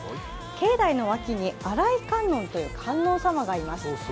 境内の脇に洗い観音という観音様がいらっしゃいます。